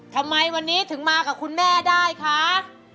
ทำไมวันนี้ถึงมากับคุณแม่ได้คะ